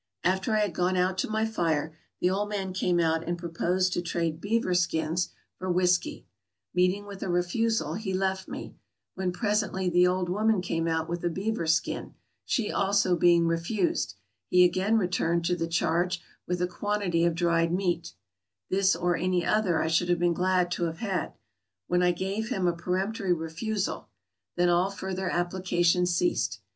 After I had gone out to my fire, the old man came out and proposed to trade beaver skins for whiskey; meeting with a refusal he left me ; when presently the old woman came out with a beaver skin, she also being refused, he again returned to the charge with a quantity of dried meat (this or any other I should have been glad to have had) when I gave him a peremptory refusal; then all further application ceased.